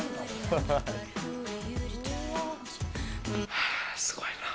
はぁ、すごいな。